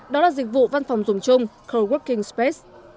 đó là dịch vụ văn phòng dùng chung coworking space